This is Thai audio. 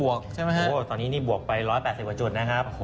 โอ้โหตอนนี้นี่บวกไป๑๘๐กว่าจุดนะครับ